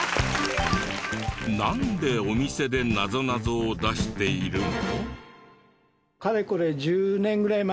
なんでお店でなぞなぞを出しているの？